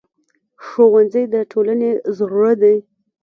ښوونځی د ټولنې زړه دی